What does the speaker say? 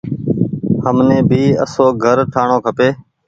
همني ڀي آسو گھر ٺرآڻو کپي۔